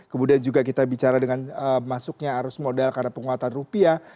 kemudian juga kita bicara dengan masuknya arus modal karena penguatan rupiah